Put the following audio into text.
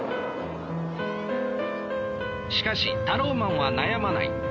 しかしタローマンは悩まない。